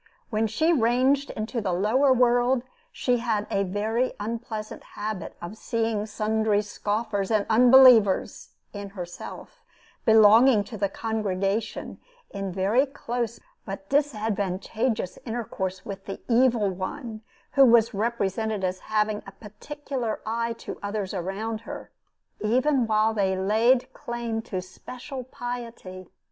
When she ranged into the lower world, she had a very unpleasant habit of seeing sundry scoffers and unbelievers (in herself) belonging to the congregation, in very close but disadvantageous intercourse with the Evil One, who was represented as having a particular eye to others around her, even while they laid claim to special piety.